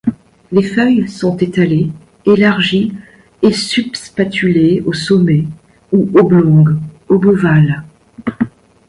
Les feuilles sont étalées, élargies et subspatulées au sommet ou oblongues obovales.